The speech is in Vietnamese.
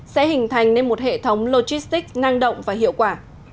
sẽ hình thành nên một hệ thống logistic năng động và hiệu quả